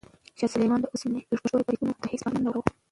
شاه سلیمان د عثماني لښکرو بریدونو ته هیڅ پام نه کاوه.